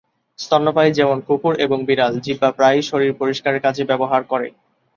স্তন্যপায়ী যেমন কুকুর এবং বিড়াল, জিহ্বা প্রায়ই শরীর পরিষ্কারের কাজে ব্যবহার করে।